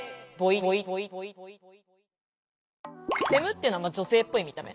フェムっていうのは女性っぽい見た目。